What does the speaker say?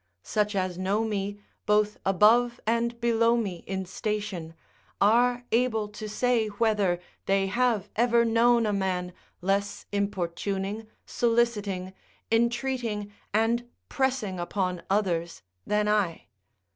Such as know me, both above and below me in station, are able to say whether they have ever known a man less importuning, soliciting, entreating, and pressing upon others than I.